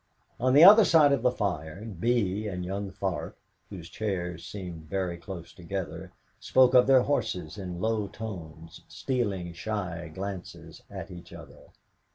On the other side of the fire Bee and young Tharp, whose chairs seemed very close together, spoke of their horses in low tones, stealing shy glances at each other.